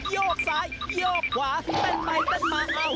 โยกซ้ายโยกขวาเต้นไปเต้นมาเอ้า